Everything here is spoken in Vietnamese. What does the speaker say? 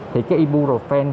thì cái ibuprofen